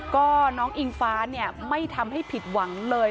ก็น้องอิงฟ้าเนี่ยไม่ทำให้ผิดหวังเลย